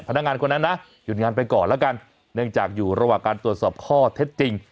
พนักงานคนนั้นนะหยุดงานไปก่อนแล้วกันเนื่องจากอยู่ระหว่างการตรวจสอบข้อเท็จจริง